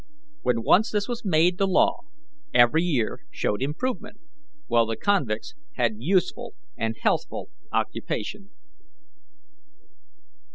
When once this was made the law, every year showed improvement, while the convicts had useful and healthful occupation.